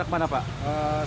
macetnya dari arah mana